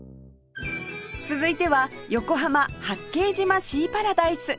続いては横浜・八景島シーパラダイス